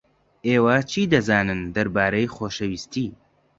ئێوە چی دەزانن دەربارەی خۆشەویستی؟